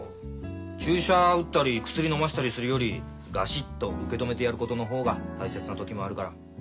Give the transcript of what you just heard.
注射打ったり薬のませたりするよりガシッと受け止めてやることの方が大切な時もあるから。